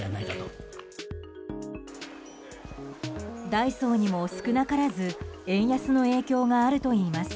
ダイソーにも少なからず円安の影響があるといいます。